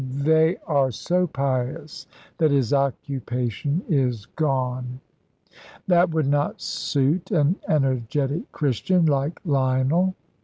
They are so pious that his occupation is gone." "That would not suit an energetic Christian like Lionel."